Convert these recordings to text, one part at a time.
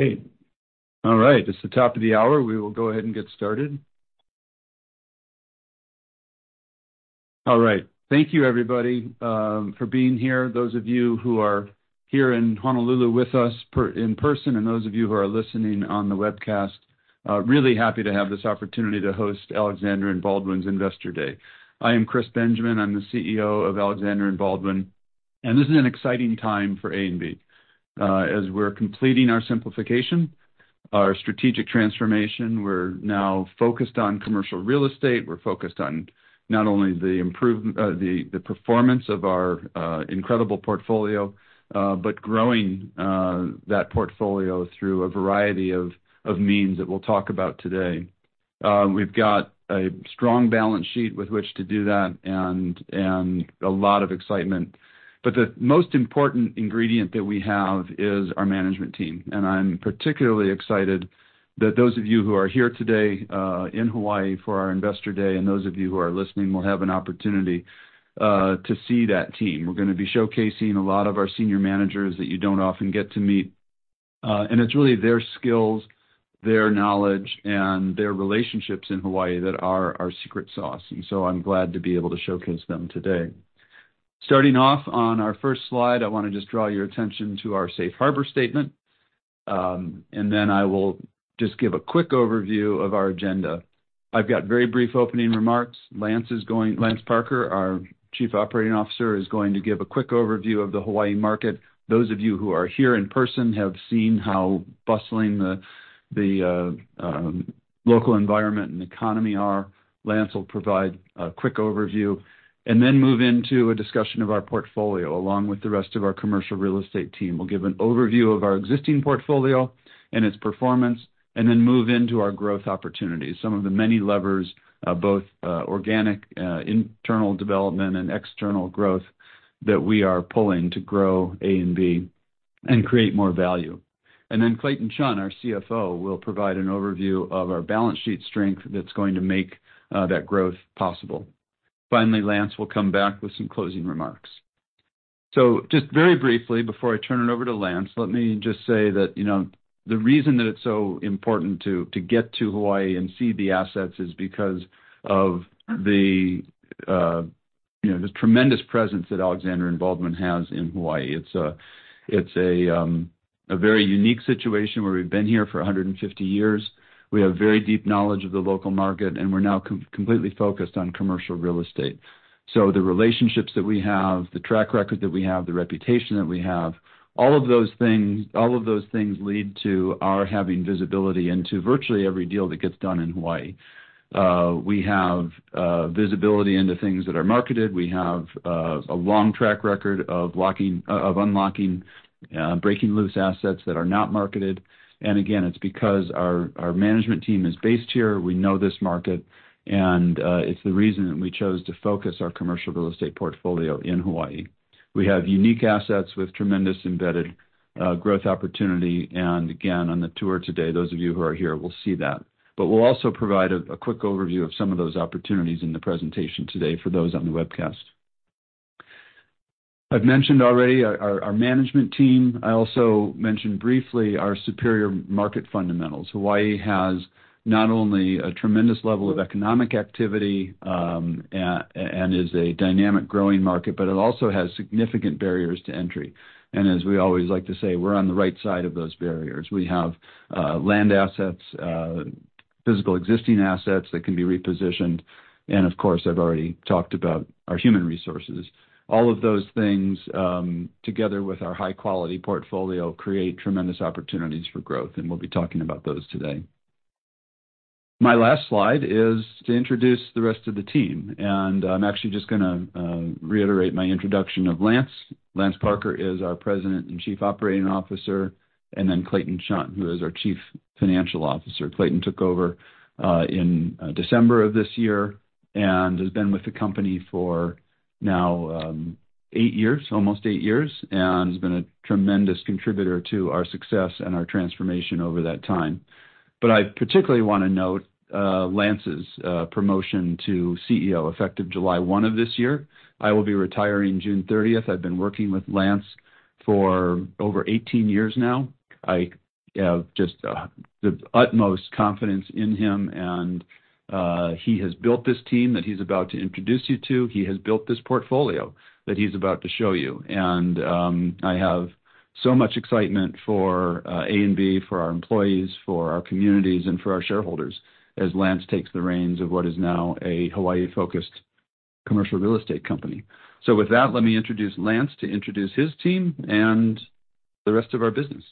Hey. All right. It's the top of the hour. We will go ahead and get started. All right. Thank you, everybody, for being here. Those of you who are here in Honolulu with us in person, and those of you who are listening on the webcast, really happy to have this opportunity to host Alexander & Baldwin's Investor Day. I am Chris Benjamin, I'm the CEO of Alexander & Baldwin, and this is an exciting time for A&B. As we're completing our simplification, our strategic transformation, we're now focused on commercial real estate. We're focused on not only the performance of our incredible portfolio, but growing that portfolio through a variety of means that we'll talk about today. We've got a strong balance sheet with which to do that and a lot of excitement. The most important ingredient that we have is our management team. I'm particularly excited that those of you who are here today, in Hawaii for our Investor Day, and those of you who are listening, will have an opportunity to see that team. We're gonna be showcasing a lot of our senior managers that you don't often get to meet. It's really their skills, their knowledge, and their relationships in Hawaii that are our secret sauce. I'm glad to be able to showcase them today. Starting off on our first slide, I wanna just draw your attention to our safe harbor statement, and then I will just give a quick overview of our agenda. I've got very brief opening remarks. Lance Parker, our Chief Operating Officer, is going to give a quick overview of the Hawaii market. Those of you who are here in person have seen how bustling the local environment and economy are. Lance will provide a quick overview and then move into a discussion of our portfolio, along with the rest of our commercial real estate team. We'll give an overview of our existing portfolio and its performance, and then move into our growth opportunities. Some of the many levers, both organic, internal development and external growth that we are pulling to grow A&B and create more value. Clayton Chun, our CFO, will provide an overview of our balance sheet strength that's going to make that growth possible. Lance will come back with some closing remarks. Just very briefly before I turn it over to Lance, let me just say that, you know, the reason that it's so important to get to Hawaii and see the assets is because of the, you know, this tremendous presence that Alexander & Baldwin has in Hawaii. It's a, it's a very unique situation where we've been here for 150 years. We have very deep knowledge of the local market, and we're now completely focused on commercial real estate. The relationships that we have, the track record that we have, the reputation that we have, all of those things lead to our having visibility into virtually every deal that gets done in Hawaii. We have visibility into things that are marketed. We have a long track record of unlocking breaking loose assets that are not marketed. Again, it's because our management team is based here. We know this market. It's the reason that we chose to focus our commercial real estate portfolio in Hawaii. We have unique assets with tremendous embedded growth opportunity. Again, on the tour today, those of you who are here will see that. We'll also provide a quick overview of some of those opportunities in the presentation today for those on the webcast. I've mentioned already our management team. I also mentioned briefly our superior market fundamentals. Hawaii has not only a tremendous level of economic activity and is a dynamic growing market, it also has significant barriers to entry. As we always like to say, we're on the right side of those barriers. We have land assets, physical existing assets that can be repositioned. Of course, I've already talked about our human resources. All of those things, together with our high-quality portfolio, create tremendous opportunities for growth, and we'll be talking about those today. My last slide is to introduce the rest of the team, and I'm actually just gonna reiterate my introduction of Lance. Lance Parker is our President and Chief Operating Officer, and then Clayton Chun, who is our Chief Financial Officer. Clayton took over in December of this year and has been with the company for now, eight years, almost eight years, and has been a tremendous contributor to our success and our transformation over that time. I particularly wanna note Lance's promotion to CEO, effective July 1 of this year. I will be retiring June 30th. I've been working with Lance for over 18 years now. I have just the utmost confidence in him and he has built this team that he's about to introduce you to. He has built this portfolio that he's about to show you. I have so much excitement for A&B, for our employees, for our communities, and for our shareholders as Lance takes the reins of what is now a Hawaii-focused commercial real estate company. With that, let me introduce Lance to introduce his team and the rest of our business.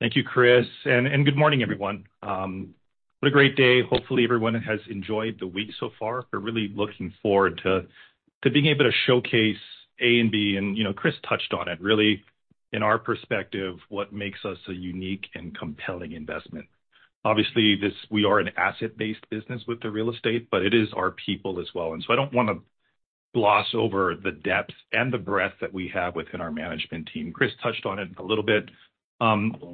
Thank you, Chris, and good morning, everyone. What a great day. Hopefully, everyone has enjoyed the week so far. We're really looking forward to being able to showcase A&B. You know, Chris touched on it, really, in our perspective, what makes us a unique and compelling investment. Obviously, we are an asset-based business with the real estate, but it is our people as well. So I don't wanna gloss over the depth and the breadth that we have within our management team. Chris touched on it a little bit. You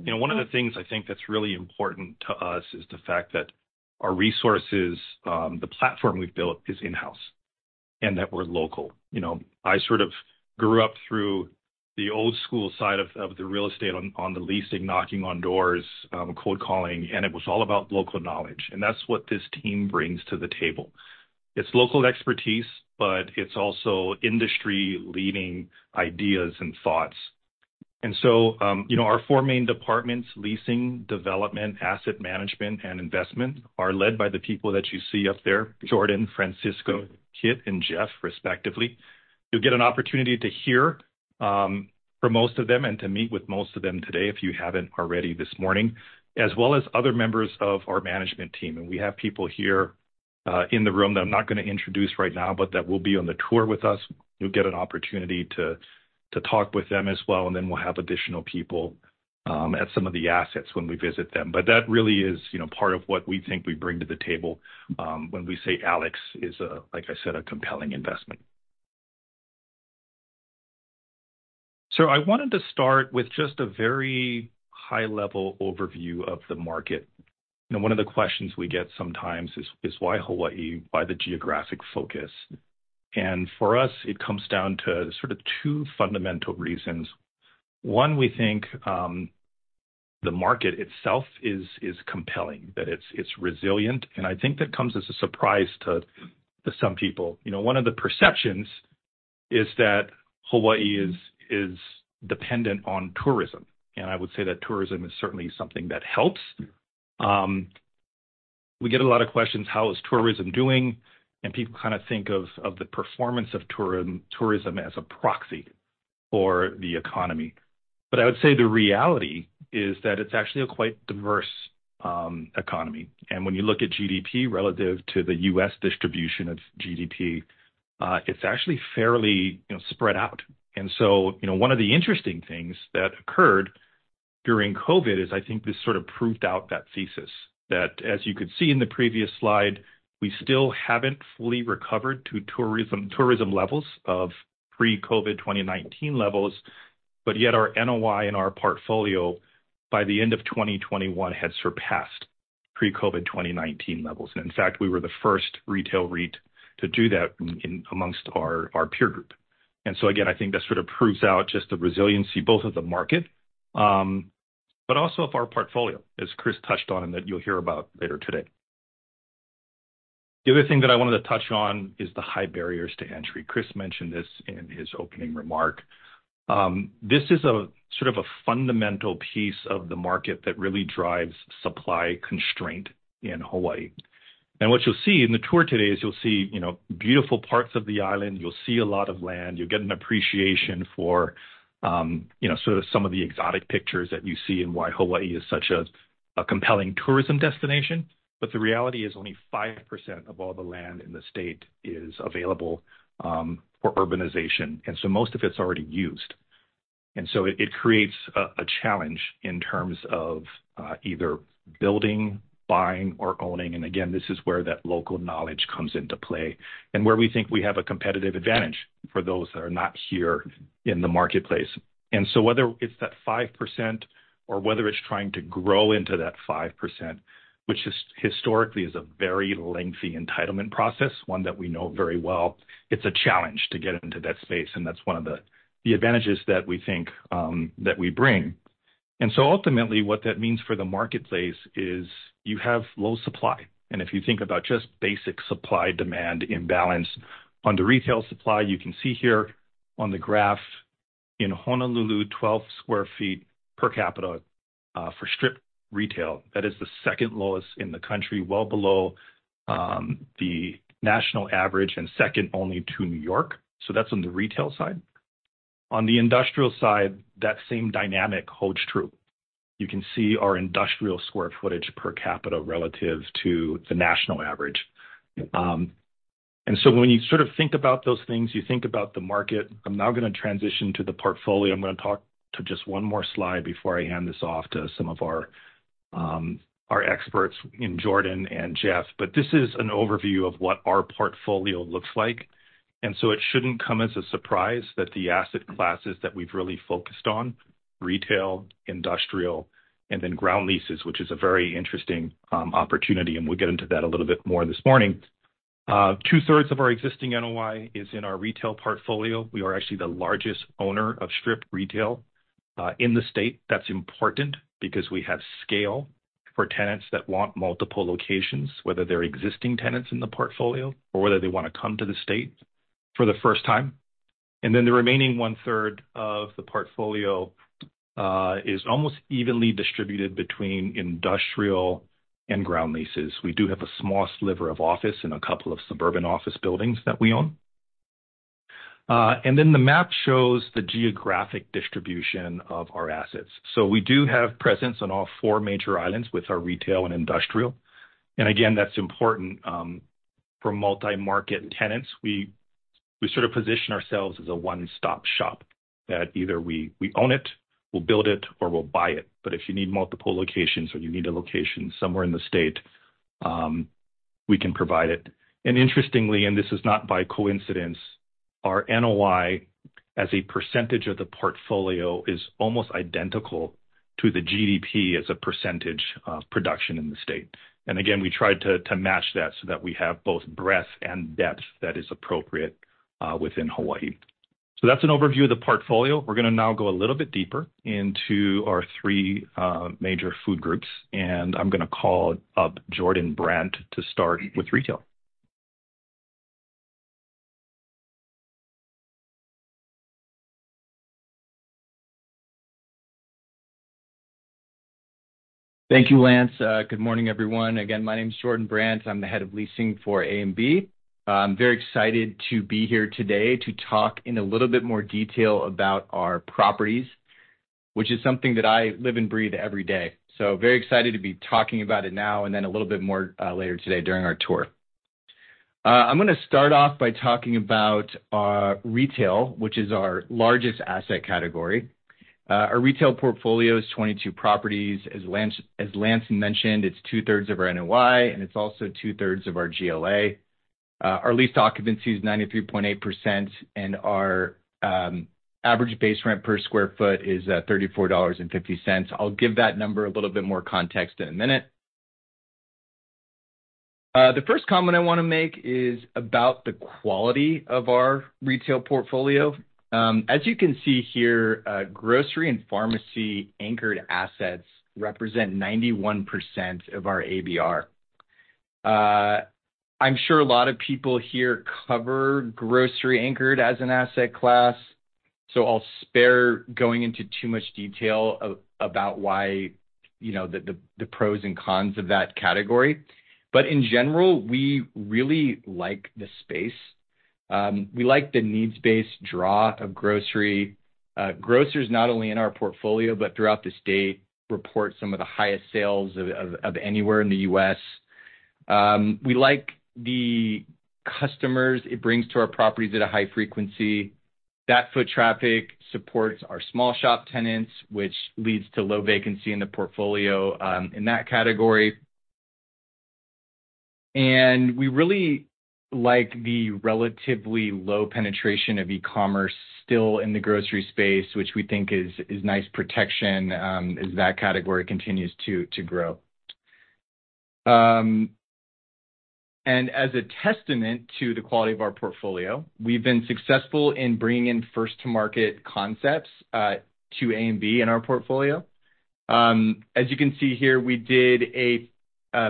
know, one of the things I think that's really important to us is the fact that our resources, the platform we've built is in-house, and that we're local. You know, I sort of grew up through the old school side of the real estate on the leasing, knocking on doors, cold calling. It was all about local knowledge. That's what this team brings to the table. It's local expertise. It's also industry-leading ideas and thoughts. You know, our four main departments, leasing, development, asset management, and investment, are led by the people that you see up there, Jordan, Francisco, Kit, and Jeff, respectively. You'll get an opportunity to hear from most of them and to meet with most of them today if you haven't already this morning, as well as other members of our management team. We have people here in the room that I'm not gonna introduce right now. That will be on the tour with us. You'll get an opportunity to talk with them as well, and then we'll have additional people at some of the assets when we visit them. That really is, you know, part of what we think we bring to the table when we say ALEX is a, like I said, a compelling investment. I wanted to start with just a very high-level overview of the market. You know, one of the questions we get sometimes is why Hawaii? Why the geographic focus? For us, it comes down to sort of two fundamental reasons. One, we think the market itself is compelling, that it's resilient, and I think that comes as a surprise to some people. You know, one of the perceptions is that Hawaii is dependent on tourism, and I would say that tourism is certainly something that helps. We get a lot of questions: How is tourism doing? People kinda think of the performance of tourism as a proxy for the economy. I would say the reality is that it's actually a quite diverse economy. When you look at GDP relative to the U.S. distribution of GDP, it's actually fairly, you know, spread out. You know, one of the interesting things that occurred during COVID is I think this sort of proved out that thesis that as you could see in the previous slide, we still haven't fully recovered to tourism levels of pre-COVID 2019 levels, but yet our NOI in our portfolio by the end of 2021 had surpassed pre-COVID 2019 levels. In fact, we were the first retail REIT to do that amongst our peer group. Again, I think that sort of proves out just the resiliency both of the market, but also of our portfolio, as Chris touched on and that you'll hear about later today. The other thing that I wanted to touch on is the high barriers to entry. Chris mentioned this in his opening remark. This is a sort of a fundamental piece of the market that really drives supply constraint in Hawaii. What you'll see in the tour today is you'll see, you know, beautiful parts of the island, you'll see a lot of land, you'll get an appreciation for, you know, sort of some of the exotic pictures that you see and why Hawaii is such a compelling tourism destination. The reality is only 5% of all the land in the state is available, for urbanization, most of it's already used. It creates a challenge in terms of either building, buying, or owning. Again, this is where that local knowledge comes into play and where we think we have a competitive advantage for those that are not here in the marketplace. Whether it's that 5% or whether it's trying to grow into that 5%, which is historically is a very lengthy entitlement process, one that we know very well, it's a challenge to get into that space, and that's one of the advantages that we think that we bring. Ultimately what that means for the marketplace is you have low supply. If you think about just basic supply-demand imbalance, on the retail supply, you can see here on the graph in Honolulu, 12 sq ft per capita, for strip retail. That is the second lowest in the country, well below, the national average and second only to New York. That's on the retail side. On the industrial side, that same dynamic holds true. You can see our industrial square footage per capita relative to the national average. When you sort of think about those things, you think about the market. I'm now going to transition to the portfolio. I'm going to talk to just one more slide before I hand this off to some of our experts in Jordan and Jeff. This is an overview of what our portfolio looks like. It shouldn't come as a surprise that the asset classes that we've really focused on, retail, industrial, and then ground leases, which is a very interesting opportunity, and we'll get into that a little bit more this morning. Two-thirds of our existing NOI is in our retail portfolio. We are actually the largest owner of strip retail in the state. That's important because we have scale for tenants that want multiple locations, whether they're existing tenants in the portfolio or whether they wanna come to the state for the first time. The remaining 1/3 of the portfolio is almost evenly distributed between industrial and ground leases. We do have a small sliver of office and a couple of suburban office buildings that we own. The map shows the geographic distribution of our assets. We do have presence on all four major islands with our retail and industrial. Again, that's important for multi-market tenants. We sort of position ourselves as a one-stop shop that either we own it, we'll build it, or we'll buy it. If you need multiple locations or you need a location somewhere in the state, We can provide it. Interestingly, and this is not by coincidence, our NOI as a percentage of the portfolio is almost identical to the GDP as a percentage of production in the state. Again, we tried to match that so that we have both breadth and depth that is appropriate within Hawaii. That's an overview of the portfolio. We're gonna now go a little bit deeper into our three major food groups, and I'm gonna call up Jordan Brant to start with retail. Thank you, Lance. Good morning, everyone. Again, my name is Jordan Brant. I'm the Head of Leasing for A&B. I'm very excited to be here today to talk in a little bit more detail about our properties, which is something that I live and breathe every day. Very excited to be talking about it now and then a little bit more later today during our tour. I'm gonna start off by talking about our retail, which is our largest asset category. Our retail portfolio is 22 properties. As Lance mentioned, it's 2/3 of our NOI, and it's also 2/3 of our GLA. Our lease occupancy is 93.8%, and our average base rent per square foot is $34.50. I'll give that number a little bit more context in a minute. The first comment I want to make is about the quality of our retail portfolio. As you can see here, grocery and pharmacy anchored assets represent 91% of our ABR. I'm sure a lot of people here cover grocery anchored as an asset class, so I'll spare going into too much detail about why, you know, the pros and cons of that category. In general, we really like the space. We like the needs-based draw of grocery. Grocers not only in our portfolio, but throughout the state, report some of the highest sales of anywhere in the U.S. We like the customers it brings to our properties at a high frequency. That foot traffic supports our small shop tenants, which leads to low vacancy in the portfolio, in that category. We really like the relatively low penetration of e-commerce still in the grocery space, which we think is nice protection as that category continues to grow. As a testament to the quality of our portfolio, we've been successful in bringing in first to market concepts to A&B in our portfolio. As you can see here, we did a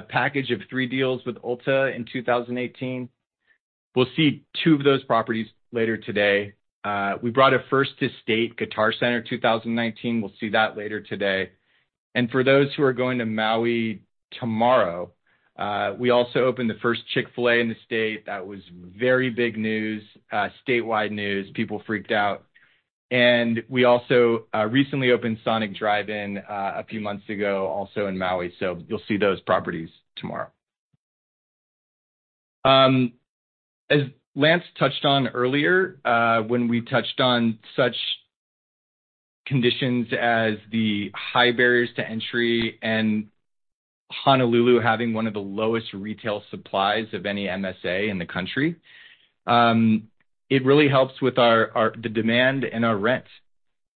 package of three deals with Ulta in 2018. We'll see two of those properties later today. We brought a first to state Guitar Center, 2019. We'll see that later today. For those who are going to Maui tomorrow, we also opened the first Chick-fil-A in the state. That was very big news, statewide news. People freaked out. We also recently opened Sonic Drive-In a few months ago, also in Maui. You'll see those properties tomorrow. As Lance touched on earlier, when we touched on such conditions as the high barriers to entry and Honolulu having one of the lowest retail supplies of any MSA in the country, it really helps with our, the demand and our rent.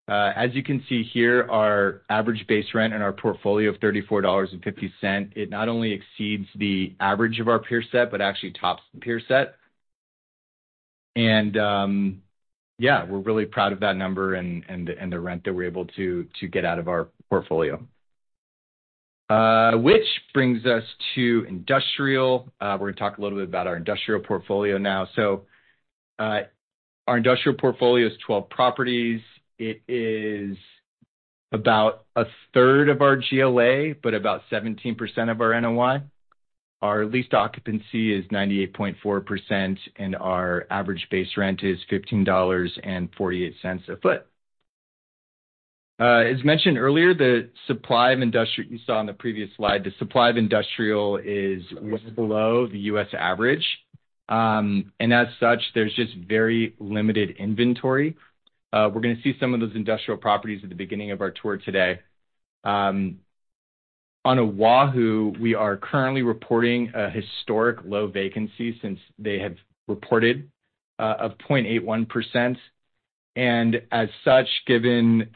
As you can see here, our average base rent in our portfolio of $34.50, it not only exceeds the average of our peer set, but actually tops the peer set. Yeah, we're really proud of that number and the rent that we're able to get out of our portfolio. Which brings us to industrial. We're going to talk a little bit about our industrial portfolio now. Our industrial portfolio is 12 properties. It is about 1/3 of our GLA, but about 17% of our NOI. Our lease occupancy is 98.4%, and our average base rent is $15.48 a foot. As mentioned earlier, you saw on the previous slide, the supply of industrial is below the U.S. average. As such, there's just very limited inventory. We're gonna see some of those industrial properties at the beginning of our tour today. On Oahu, we are currently reporting a historic low vacancy since they have reported of 0.81%. As such, given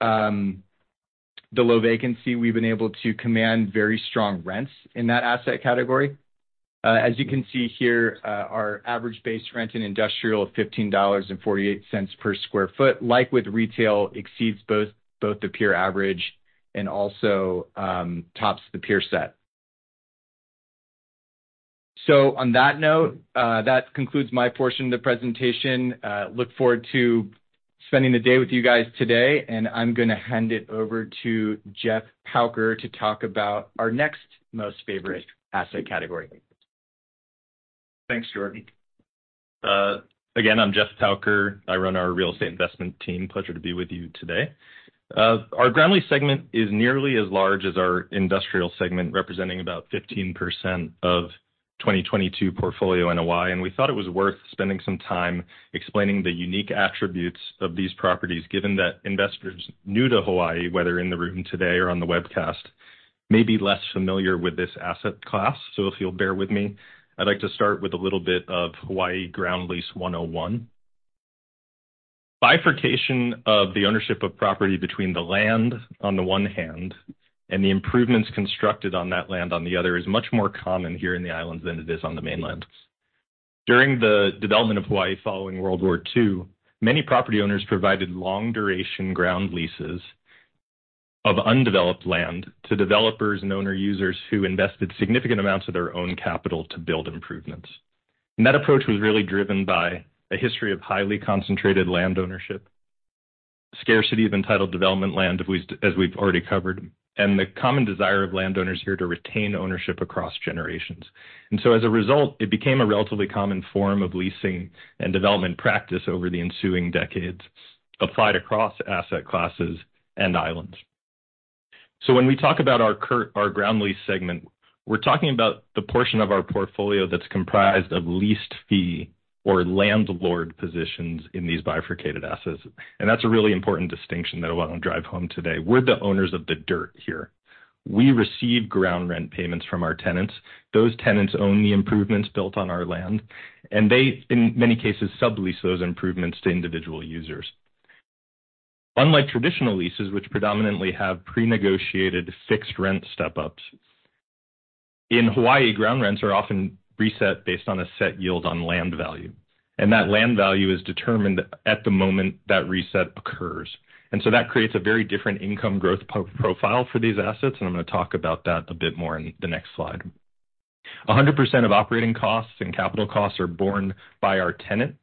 the low vacancy, we've been able to command very strong rents in that asset category. As you can see here, our average base rent in industrial of $15.48 per sq ft, like with retail, exceeds both the peer average and also tops the peer set. On that note, that concludes my portion of the presentation. Look forward to spending the day with you guys today, and I'm gonna hand it over to Jeff Pauker to talk about our next most favorite asset category. Thanks, Jordan. Again, I'm Jeff Pauker. I run our real estate investment team. Pleasure to be with you today. Our ground lease segment is nearly as large as our industrial segment, representing about 15% of 2022 portfolio NOI. We thought it was worth spending some time explaining the unique attributes of these properties, given that investors new to Hawaii, whether in the room today or on the webcast, may be less familiar with this asset class. If you'll bear with me, I'd like to start with a little bit of Hawaii ground lease 101. Bifurcation of the ownership of property between the land on the one hand and the improvements constructed on that land on the other, is much more common here in the islands than it is on the mainland. During the development of Hawaii following World War II, many property owners provided long duration ground leases of undeveloped land to developers and owner users who invested significant amounts of their own capital to build improvements. That approach was really driven by a history of highly concentrated land ownership, scarcity of entitled development land, as we've already covered, and the common desire of landowners here to retain ownership across generations. As a result, it became a relatively common form of leasing and development practice over the ensuing decades, applied across asset classes and islands. When we talk about our ground lease segment, we're talking about the portion of our portfolio that's comprised of leased fee or landlord positions in these bifurcated assets. That's a really important distinction that I want to drive home today. We're the owners of the dirt here. We receive ground rent payments from our tenants. Those tenants own the improvements built on our land, and they, in many cases, sublease those improvements to individual users. Unlike traditional leases, which predominantly have pre-negotiated fixed rent step ups, in Hawaii, ground rents are often reset based on a set yield on land value, and that land value is determined at the moment that reset occurs. That creates a very different income growth profile for these assets. I'm going to talk about that a bit more in the next slide. 100% of operating costs and capital costs are borne by our tenant.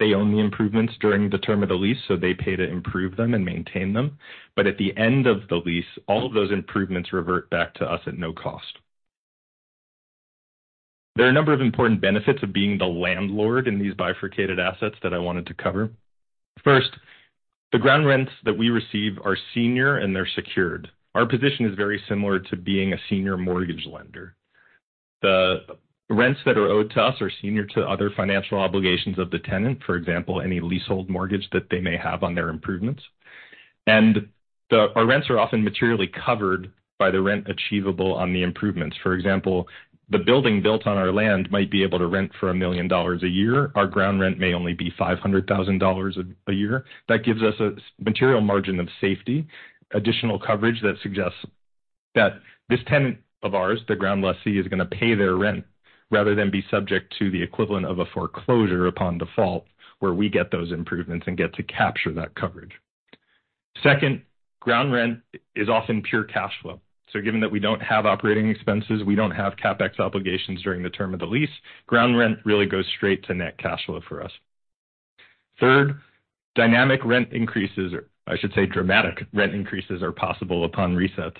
They own the improvements during the term of the lease, so they pay to improve them and maintain them. At the end of the lease, all of those improvements revert back to us at no cost. There are a number of important benefits of being the landlord in these bifurcated assets that I wanted to cover. First, the ground rents that we receive are senior and they're secured. Our position is very similar to being a senior mortgage lender. The rents that are owed to us are senior to other financial obligations of the tenant, for example, any leasehold mortgage that they may have on their improvements. Our rents are often materially covered by the rent achievable on the improvements. For example, the building built on our land might be able to rent for a million dollars a year. Our ground rent may only be $500,000 a year. That gives us a material margin of safety, additional coverage that suggests that this tenant of ours, the ground lessee, is going to pay their rent rather than be subject to the equivalent of a foreclosure upon default, where we get those improvements and get to capture that coverage. Second, ground rent is often pure cash flow. Given that we don't have operating expenses, we don't have CapEx obligations during the term of the lease, ground rent really goes straight to net cash flow for us. Third, dynamic rent increases, or I should say dramatic rent increases are possible upon resets.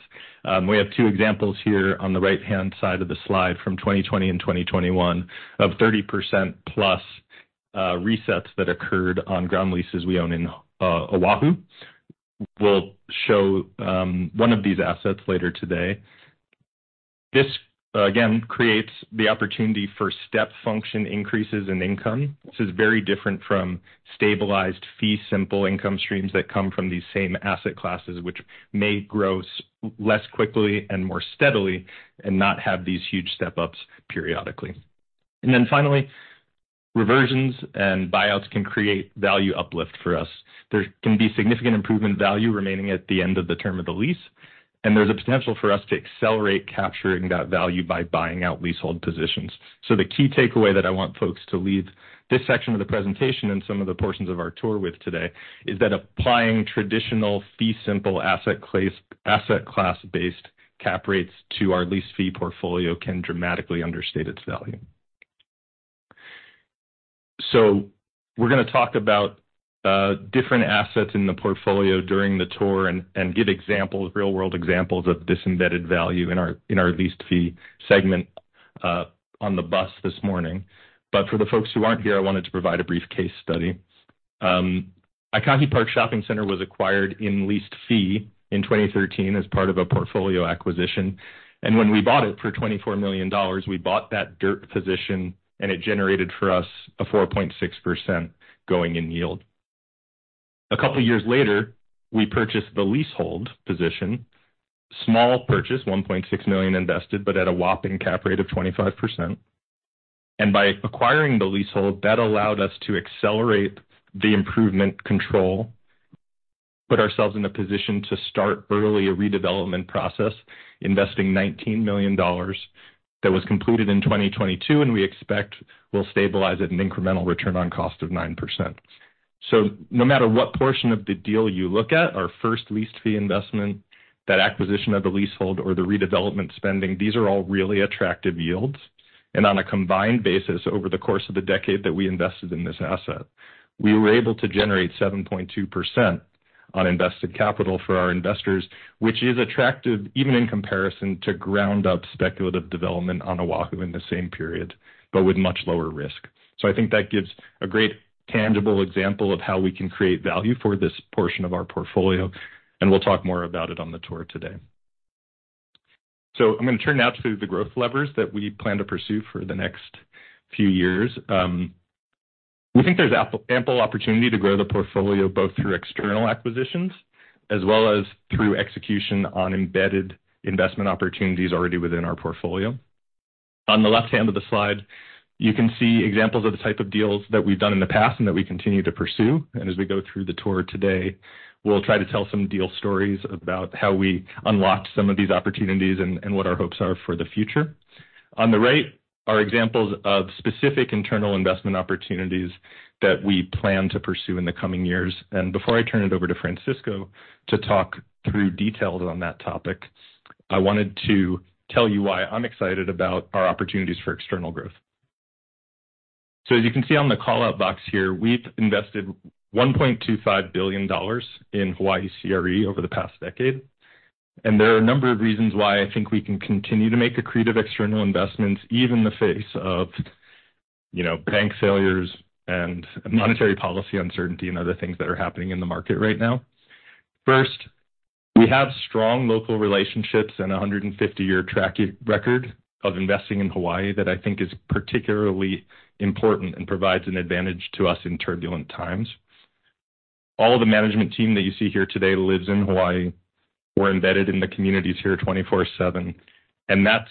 We have two examples here on the right-hand side of the slide from 2020 and 2021 of 30%+ resets that occurred on ground leases we own in Oahu. We'll show one of these assets later today. This, again, creates the opportunity for step function increases in income. This is very different from stabilized fee simple income streams that come from these same asset classes, which may grow less quickly and more steadily and not have these huge step-ups periodically. Finally, reversions and buyouts can create value uplift for us. There can be significant improvement value remaining at the end of the term of the lease, and there's a potential for us to accelerate capturing that value by buying out leasehold positions. The key takeaway that I want folks to leave this section of the presentation and some of the portions of our tour with today is that applying traditional fee simple asset class based cap rates to our leased fee portfolio can dramatically understate its value. We're going to talk about different assets in the portfolio during the tour and give examples, real-world examples of this embedded value in our leased fee segment on the bus this morning. For the folks who aren't here, I wanted to provide a brief case study. Aikahi Park Shopping Center was acquired in leased fee in 2013 as part of a portfolio acquisition. When we bought it for $24 million, we bought that dirt position, and it generated for us a 4.6% going-in yield. A couple of years later, we purchased the leasehold position, small purchase, $1.6 million invested, at a whopping cap rate of 25%. By acquiring the leasehold, that allowed us to accelerate the improvement control, put ourselves in a position to start early a redevelopment process, investing $19 million that was completed in 2022, and we expect will stabilize at an incremental return on cost of 9%. No matter what portion of the deal you look at, our first leased fee investment, that acquisition of the leasehold or the redevelopment spending, these are all really attractive yields. On a combined basis, over the course of the decade that we invested in this asset, we were able to generate 7.2% on invested capital for our investors, which is attractive even in comparison to ground-up speculative development on Oahu in the same period, but with much lower risk. I think that gives a great tangible example of how we can create value for this portion of our portfolio, and we'll talk more about it on the tour today. I'm going to turn now to the growth levers that we plan to pursue for the next few years. We think there's ample opportunity to grow the portfolio, both through external acquisitions as well as through execution on embedded investment opportunities already within our portfolio. On the left hand of the slide, you can see examples of the type of deals that we've done in the past and that we continue to pursue. As we go through the tour today, we'll try to tell some deal stories about how we unlocked some of these opportunities and what our hopes are for the future. On the right are examples of specific internal investment opportunities that we plan to pursue in the coming years. Before I turn it over to Francisco to talk through details on that topic, I wanted to tell you why I'm excited about our opportunities for external growth. As you can see on the call-out box here, we've invested $1.25 billion in Hawaii CRE over the past decade. There are a number of reasons why I think we can continue to make accretive external investments, even in the face of, you know, bank failures and monetary policy uncertainty and other things that are happening in the market right now. First, we have strong local relationships and a 150-year track record of investing in Hawaii that I think is particularly important and provides an advantage to us in turbulent times. All the management team that you see here today lives in Hawaii. We're embedded in the communities here 24/7, and that's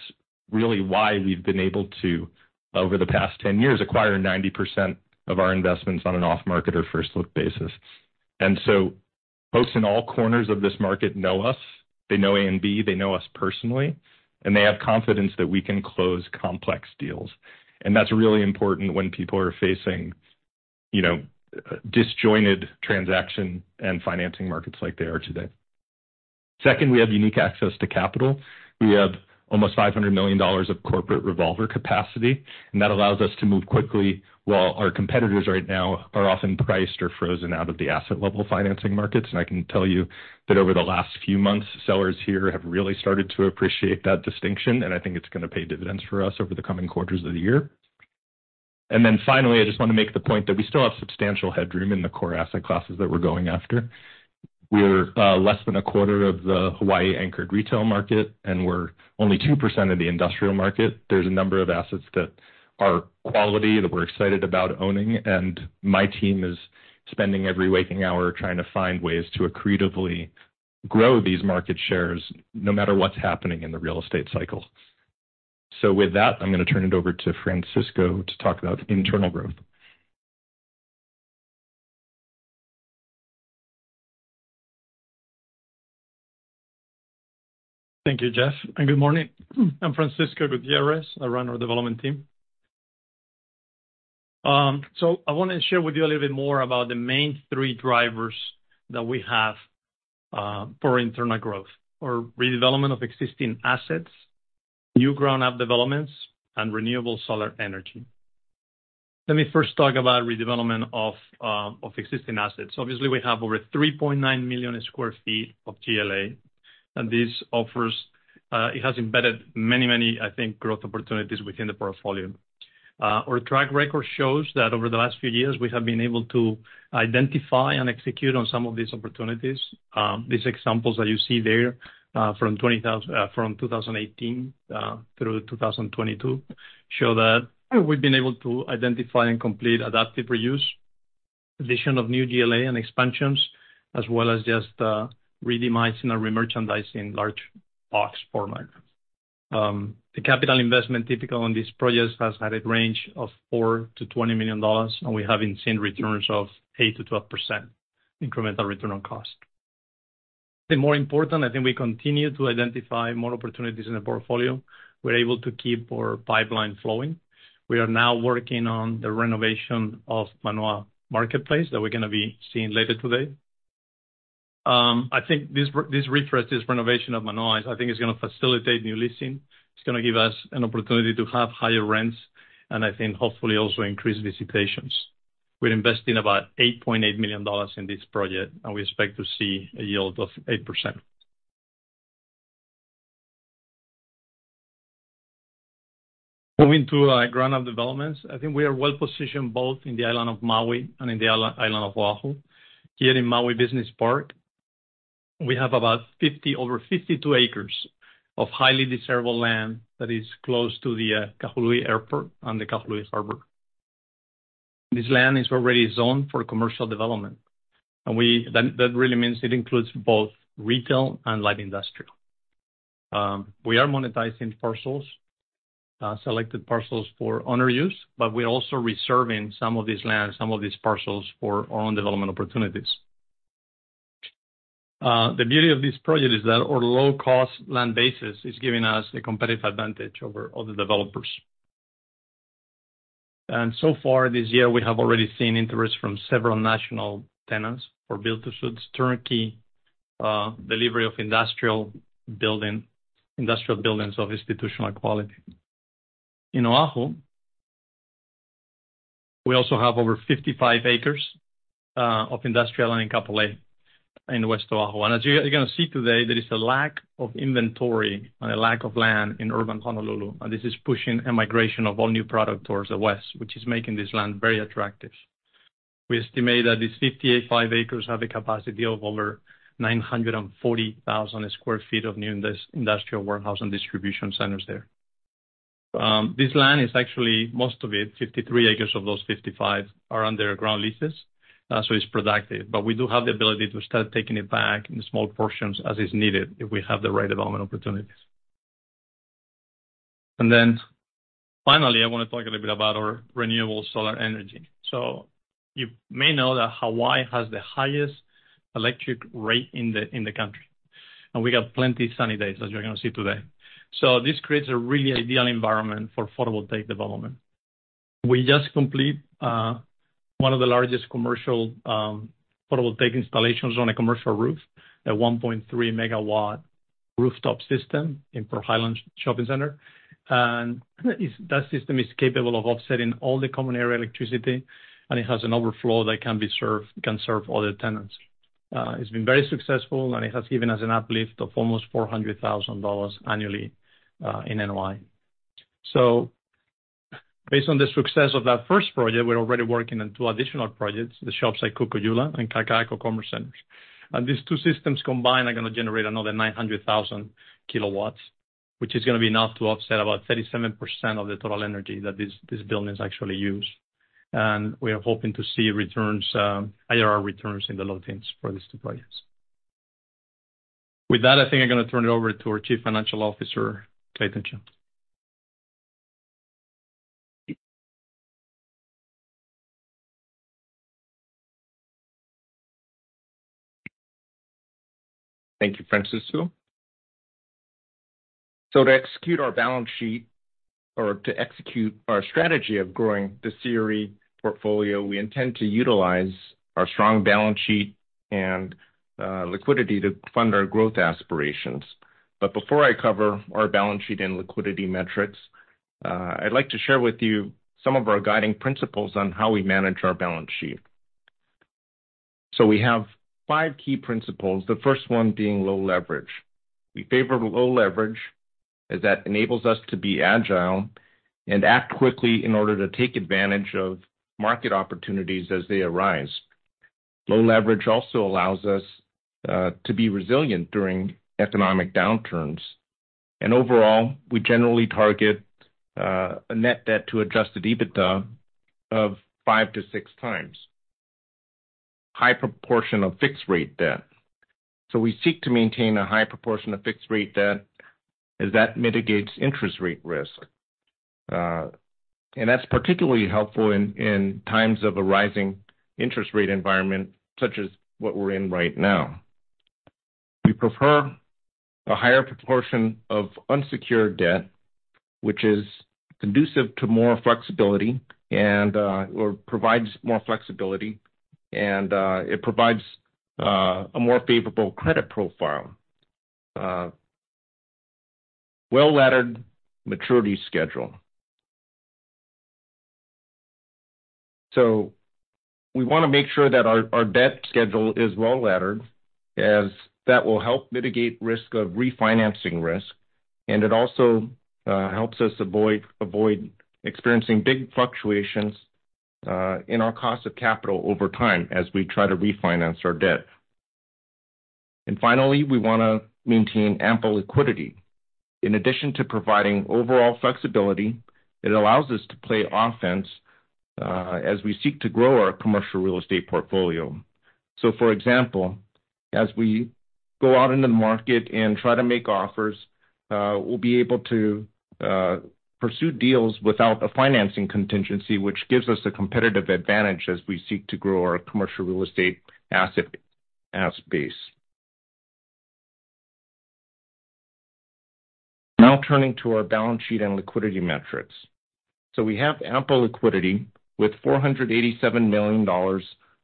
really why we've been able to, over the past 10 years, acquire 90% of our investments on an off-market or first look basis. Folks in all corners of this market know us. They know A&B, they know us personally, and they have confidence that we can close complex deals. That's really important when people are facing, you know, disjointed transaction and financing markets like they are today. Second, we have unique access to capital. We have almost $500 million of corporate revolver capacity, and that allows us to move quickly while our competitors right now are often priced or frozen out of the asset level financing markets. I can tell you that over the last few months, sellers here have really started to appreciate that distinction, and I think it's going to pay dividends for us over the coming quarters of the year. Finally, I just want to make the point that we still have substantial headroom in the core asset classes that we're going after. We're less than a quarter of the Hawaii anchored retail market, and we're only 2% of the industrial market. There's a number of assets that are quality that we're excited about owning, and my team is spending every waking hour trying to find ways to accretively grow these market shares no matter what's happening in the real estate cycle. With that, I'm going to turn it over to Francisco to talk about internal growth. Thank you, Jeff. Good morning. I'm Francisco Gutierrez. I run our development team. I want to share with you a little bit more about the main three drivers that we have for internal growth or redevelopment of existing assets, new ground-up developments, and renewable solar energy. Let me first talk about redevelopment of existing assets. Obviously, we have over 3.9 million sq ft of GLA. This offers, it has embedded many, I think, growth opportunities within the portfolio. Our track record shows that over the last few years, we have been able to identify and execute on some of these opportunities. These examples that you see there, from 2018 through 2022, show that we've been able to identify and complete adaptive reuse, addition of new GLA and expansions, as well as just re-merchandising or merchandizing large box format. The capital investment typically on these projects has had a range of $4 million-$20 million, and we have been seeing returns of 8%-12% incremental return on cost. More important, I think we continue to identify more opportunities in the portfolio. We're able to keep our pipeline flowing. We are now working on the renovation of Manoa Marketplace that we're gonna be seeing later today. I think this refresh, this renovation of Manoa, I think is gonna facilitate new leasing. It's gonna give us an opportunity to have higher rents. I think hopefully also increase visitations. We're investing about $8.8 million in this project. We expect to see a yield of 8%. Going to our ground-up developments. I think we are well-positioned both in the island of Maui and in the island of Oahu. Here in Maui Business Park, we have over 52 acres of highly desirable land that is close to the Kahului Airport and the Kahului Harbor. This land is already zoned for commercial development. That really means it includes both retail and light industrial. We are monetizing parcels, selected parcels for owner use. We're also reserving some of these lands, some of these parcels for our own development opportunities. The beauty of this project is that our low cost land basis is giving us a competitive advantage over other developers. So far this year, we have already seen interest from several national tenants for build-to-suit turnkey delivery of industrial buildings of institutional quality. In Oahu, we also have over 55 acres of industrial land in Kapolei in West Oahu. As you're gonna see today, there is a lack of inventory and a lack of land in urban Honolulu, and this is pushing a migration of all new product towards the west, which is making this land very attractive. We estimate that these 55 acres have a capacity of over 940,000 sq ft of new industrial warehouse and distribution centers there. This land is actually, most of it, 53 acres of those 55 are under ground leases. It's productive. We do have the ability to start taking it back in small portions as is needed if we have the right development opportunities. Finally, I want to talk a little bit about our renewable solar energy. You may know that Hawaii has the highest electric rate in the country, and we have plenty sunny days, as you're going to see today. This creates a really ideal environment for photovoltaic development. We just completed one of the largest commercial photovoltaic installations on a commercial roof at 1.3 MW rooftop system in Pearl Highlands Shopping Center. That system is capable of offsetting all the common area electricity, and it has an overflow that can serve other tenants. It's been very successful, and it has given us an uplift of almost $400,000 annually in NOI. Based on the success of that first project, we're already working on two additional projects, the Shops at Kukui'ula and Kaka'ako Commerce Center. These two systems combined are going to generate another 900,000 kW, which is going to be enough to offset about 37% of the total energy that these buildings actually use. We are hoping to see returns, higher returns in the low teens for these two projects. With that, I think I'm going to turn it over to our Chief Financial Officer, Clayton Chun. Thank you, Francisco. To execute our balance sheet or to execute our strategy of growing the CRE portfolio, we intend to utilize our strong balance sheet and liquidity to fund our growth aspirations. Before I cover our balance sheet and liquidity metrics, I'd like to share with you some of our guiding principles on how we manage our balance sheet. We have five key principles, the first one being low leverage. We favor low leverage as that enables us to be agile and act quickly in order to take advantage of market opportunities as they arise. Low leverage also allows us to be resilient during economic downturns. Overall, we generally target a net debt to adjusted EBITDA of 5x-6x. High proportion of fixed rate debt. We seek to maintain a high proportion of fixed rate debt as that mitigates interest rate risk. And that's particularly helpful in times of a rising interest rate environment such as what we're in right now. We prefer a higher proportion of unsecured debt, which is conducive to more flexibility and or provides more flexibility, and it provides a more favorable credit profile. Well-laddered maturity schedule. We want to make sure that our debt schedule is well-laddered as that will help mitigate risk of refinancing risk, and it also helps us avoid experiencing big fluctuations in our cost of capital over time as we try to refinance our debt. Finally, we want to maintain ample liquidity. In addition to providing overall flexibility, it allows us to play offense as we seek to grow our commercial real estate portfolio. For example, as we go out into the market and try to make offers, we'll be able to pursue deals without a financing contingency, which gives us a competitive advantage as we seek to grow our commercial real estate asset base. Turning to our balance sheet and liquidity metrics. We have ample liquidity with $487 million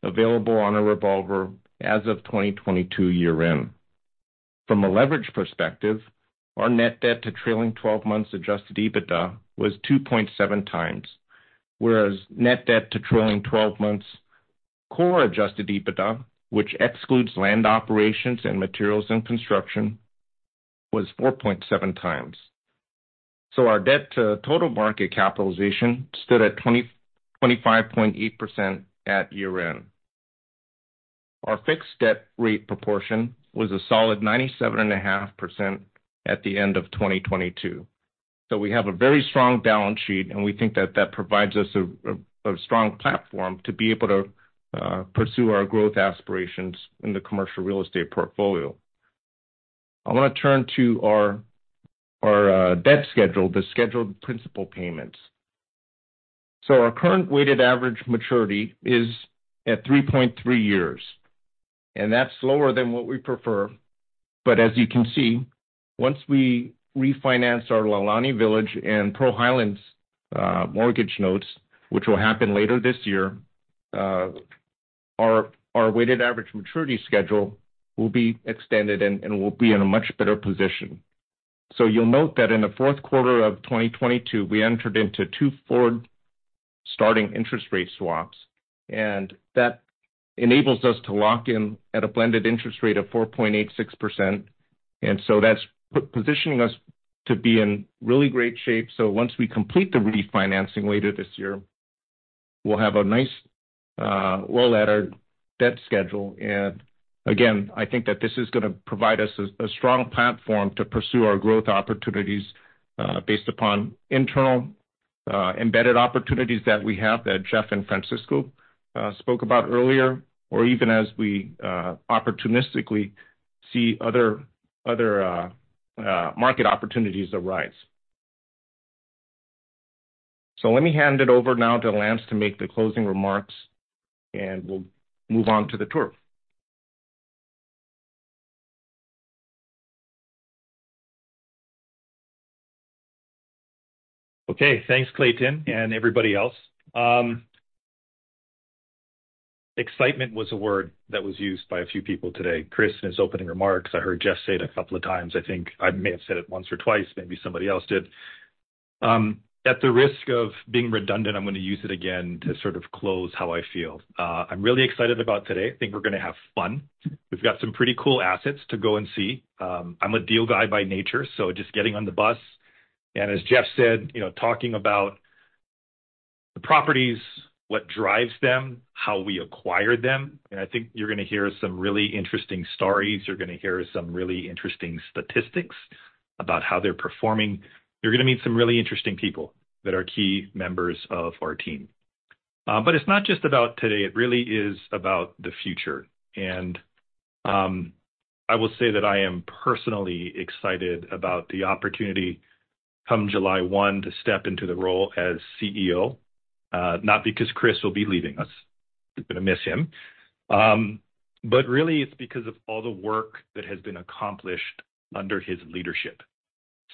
available on a revolver as of 2022 year-end. From a leverage perspective, our net debt to trailing 12 months adjusted EBITDA was 2.7x, whereas net debt to trailing 12 months core adjusted EBITDA, which excludes land operations and materials and construction, was 4.7x. Our debt to total market capitalization stood at 25.8% at year-end. Our fixed debt rate proportion was a solid 97.5% at the end of 2022. We have a very strong balance sheet, and we think that that provides us a strong platform to be able to pursue our growth aspirations in the commercial real estate portfolio. I want to turn to our debt schedule, the scheduled principal payments. Our current weighted average maturity is at 3.3 years, and that's slower than what we prefer. As you can see, once we refinance our Laulani Village and Pearl Highlands mortgage notes, which will happen later this year, our weighted average maturity schedule will be extended and we'll be in a much better position. In the fourth quarter of 2022, we entered into two forward starting interest rate swaps, and that enables us to lock in at a blended interest rate of 4.86%. That's positioning us to be in really great shape. Once we complete the refinancing later this year, we'll have a nice, well-laddered debt schedule. Again, I think that this is going to provide us a strong platform to pursue our growth opportunities, based upon internal embedded opportunities that we have that Jeff and Francisco spoke about earlier, or even as we opportunistically see other market opportunities arise. Let me hand it over now to Lance to make the closing remarks, and we'll move on to the tour. Okay. Thanks, Clayton, and everybody else. Excitement was a word that was used by a few people today. Chris, in his opening remarks. I heard Jeff say it a couple of times. I think I may have said it once or twice, maybe somebody else did. At the risk of being redundant, I'm gonna use it again to sort of close how I feel. I'm really excited about today. I think we're gonna have fun. We've got some pretty cool assets to go and see. I'm a deal guy by nature, so just getting on the bus, and as Jeff said, you know, talking about the properties, what drives them, how we acquire them, and I think you're gonna hear some really interesting stories. You're gonna hear some really interesting statistics about how they're performing. You're gonna meet some really interesting people that are key members of our team. It's not just about today, it really is about the future. I will say that I am personally excited about the opportunity, come July 1, to step into the role as CEO. Not because Chris will be leaving us. We're gonna miss him. Really it's because of all the work that has been accomplished under his leadership.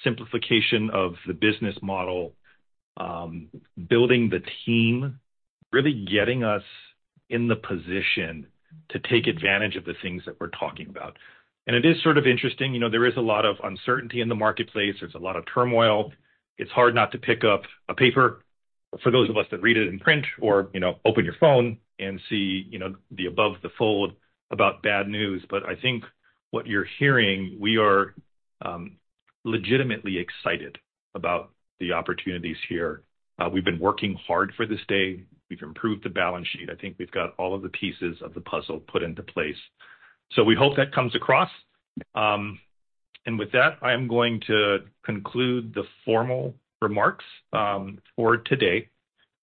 Simplification of the business model, building the team, really getting us in the position to take advantage of the things that we're talking about. It is sort of interesting, you know, there is a lot of uncertainty in the marketplace. There's a lot of turmoil. It's hard not to pick up a paper, for those of us that read it in print or, you know, open your phone and see, you know, the above the fold about bad news. I think what you're hearing, we are legitimately excited about the opportunities here. We've been working hard for this day. We've improved the balance sheet. I think we've got all of the pieces of the puzzle put into place. We hope that comes across. With that, I am going to conclude the formal remarks for today.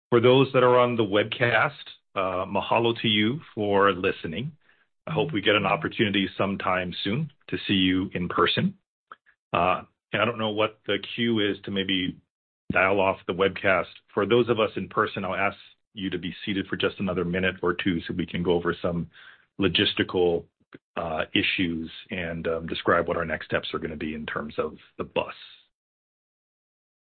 For those that are on the webcast, mahalo to you for listening. I hope we get an opportunity sometime soon to see you in person. I don't know what the cue is to maybe dial off the webcast. For those of us in person, I'll ask you to be seated for just another minute or two so we can go over some logistical issues and describe what our next steps are gonna be in terms of the bus.